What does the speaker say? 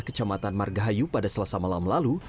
kecamatan margahayu pada selasa malam lalu